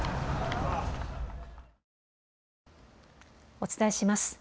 お伝えします。